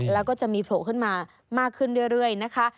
แล้วก็จะมีโผล่ขึ้นมามากขึ้นเรื่อยนะคะ